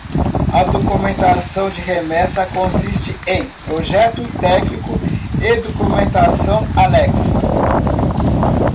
A documentação de remessa consiste em: projeto técnico e documentação anexa.